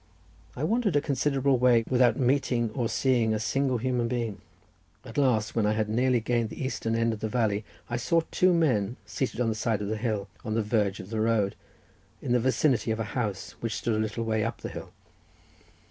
I wandered a considerable way without meeting or seeing a single human being. At last, when I had nearly gained the eastern end of the valley, I saw two men seated on the side of the hill, on the verge of the road, in the vicinity of a house which stood a little way up the hill.